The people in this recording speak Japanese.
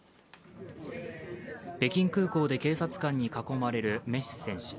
北京空港で警察官に囲まれるメッシ選手。